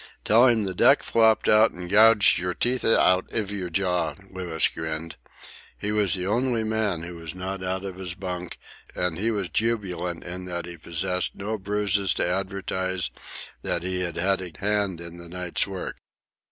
"Tell him the deck flopped up and gouged yer teeth out iv yer jaw," Louis grinned. He was the only man who was not out of his bunk, and he was jubilant in that he possessed no bruises to advertise that he had had a hand in the night's work.